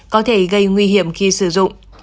có thể gây nguy hiểm khi sử dụng